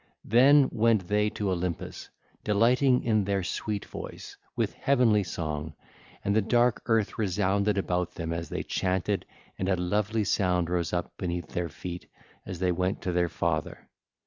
Then went they to Olympus, delighting in their sweet voice, with heavenly song, and the dark earth resounded about them as they chanted, and a lovely sound rose up beneath their feet as they went to their father.